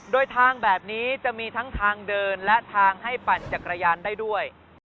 โดยทางแบบนี้จะมีทั้งทางเดินและทางให้ปั่นจักรยานได้ด้วย